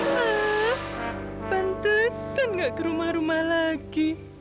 wah pentasan gak ke rumah rumah lagi